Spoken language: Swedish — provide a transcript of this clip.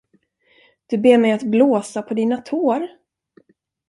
Du ber mig att blåsa på dina tår?